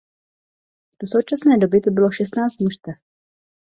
Do současné doby to bylo šestnáct mužstev.